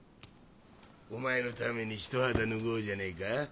お前のためにひと肌脱ごうじゃねえか。